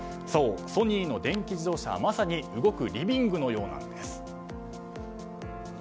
ソニーの電気自動車はまさに動くリビングのようなんです。